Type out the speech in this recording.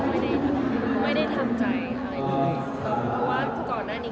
เพราะว่าก่อนด้านนี้ก็คือมาตรวจกินอบบ้าง